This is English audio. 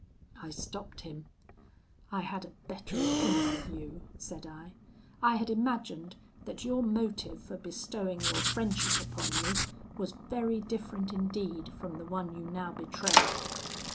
"I stopped him. 'I had a better opinion of you,' said I; 'I had imagined that your motive for bestowing your friendship upon me was very different indeed from the one you now betray.'